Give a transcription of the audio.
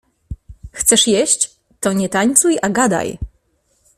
Chcesz jeść, to nie tańcuj, a gadaj.